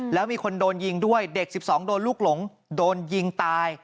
แล้วมีคนโดนยิงด้วยเด็ก๑๒โดนลูกหลงโดนยิงตาย